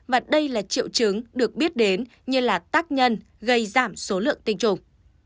và đây là triệu chứng được biết đến như là tác nhân gây giảm số lượng tinh trùng